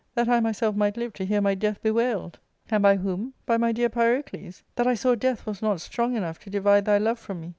That I myself might live to hear my death bewailed ! And by whom } By my dear Pyrocles. That I saw death was not strong enough to divide thy love from me